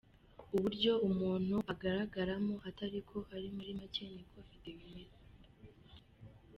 uburyo umuntu agaragaramo atari ko ari muri make ni ko video imeze.